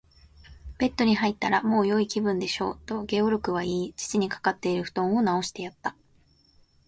「ベッドに入ったら、もうよい気分でしょう？」と、ゲオルクは言い、父にかかっているふとんをなおしてやった。